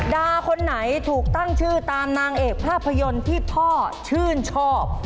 คนไหนถูกตั้งชื่อตามนางเอกภาพยนตร์ที่พ่อชื่นชอบ